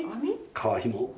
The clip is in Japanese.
革ひも。